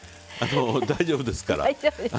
大丈夫ですから。